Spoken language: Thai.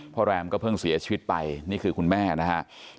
แรมก็เพิ่งเสียชีวิตไปนี่คือคุณแม่นะครับ